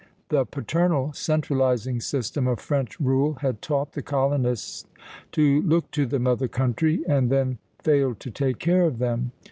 The paternal centralizing system of French rule had taught the colonists to look to the mother country, and then failed to take care of them.